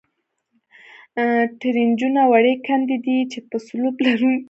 ټرینچونه وړې کندې دي، چې په سلوپ لرونکې.